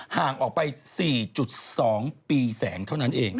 ห่างออกไป๔๒ปีแสงเท่านั้นเอง